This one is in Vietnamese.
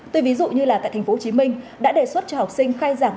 tuy ví dụ như là tại tp hcm đã đề xuất cho học sinh khai giảng